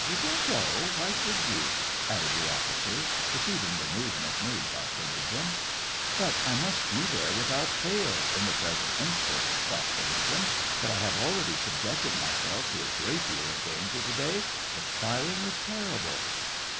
Don't go. Why should you }" added the officer, per ceiving the movement made by Kalugin. " But I must be there without fail, in the present instance," thought Kalugin, " but I have already subjected myself to a good deal of danger to day ; the firing is terrible."